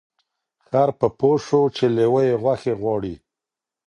خر په پوه سوچی لېوه یې غوښي غواړي